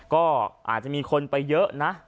ก็อาจจะมีคนไปเยอะนะ